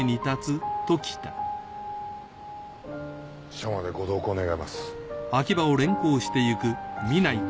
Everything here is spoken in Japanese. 署までご同行願います。